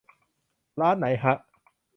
ร้านไหนฮะ